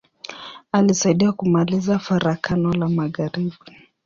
Alisaidia kumaliza Farakano la magharibi.